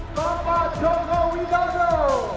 bapak jokowi gak ada